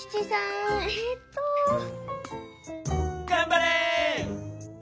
がんばれ！